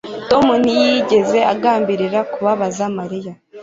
Tom ntiyigeze agambirira kubabaza Mariya